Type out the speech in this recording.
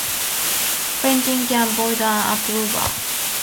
Painting can void an approval.